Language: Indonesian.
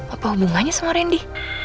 apa hubungannya sama randy